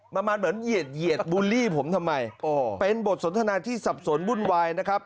เหมือนเหยียดบูลลี่ผมทำไมเป็นบทสนทนาที่สับสนวุ่นวายนะครับ